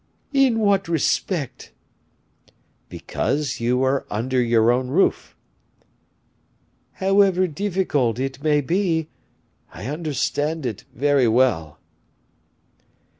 "In what respect?" "Because you are under your own roof." "However difficult it may be, I understand it very well."